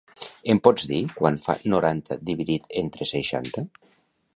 Em pots dir quant fa noranta dividit entre seixanta?